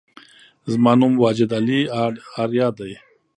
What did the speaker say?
زما نوم واجد علي آریا دی